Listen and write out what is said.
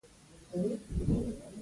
جګړه خلک بې کوره کوي